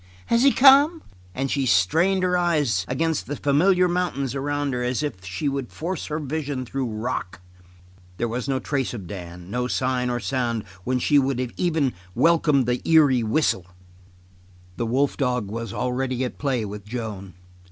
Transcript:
Has he come?" And she strained her eyes against the familiar mountains around her as if she would force her vision through rock. There was no trace of Dan, no sign or sound when she would even have welcomed the eerie whistle. The wolf dog was already at play with Joan.